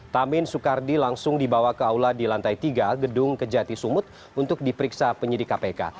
tamin soekardi langsung dibawa ke aula di lantai tiga gedung kejati sumut untuk diperiksa penyidik kpk